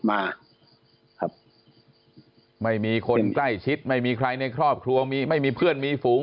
มาครับไม่มีคนใกล้ชิดไม่มีใครในครอบครัวมีไม่มีเพื่อนมีฝูง